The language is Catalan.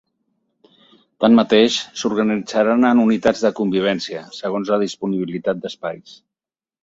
Tanmateix s’organitzaran en unitats de convivència segons la disponibilitat d’espais.